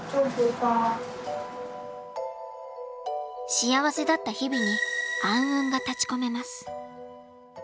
幸せだった日々に暗雲が立ちこめます。